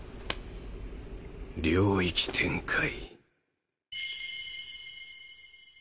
領域展開。